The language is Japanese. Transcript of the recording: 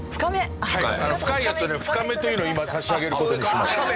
深いやつには「ふかめ」というのを今差し上げる事にしました。